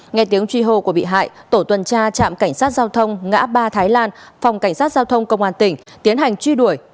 nghe tiếng truy hô của bị hại tổ tuần tra trạm cảnh sát giao thông ngã ba thái lan phòng cảnh sát giao thông công an tỉnh tiến hành truy đuổi